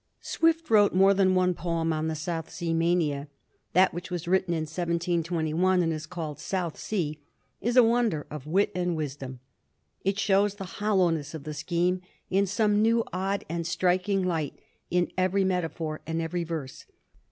SwiPT wrote more than one poem on the South Sea mania. That which was written in 1721, and i& called ' South Sea/ is a wonder of wit and wisdom. It shows the hollowness of the scheme in some new, odd, and striking light in every metaphor and every verse.